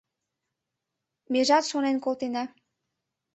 Межат шонен колтена -